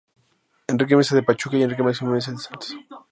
Enrique Meza de Pachuca, y Enrique Maximiliano Meza de Santos.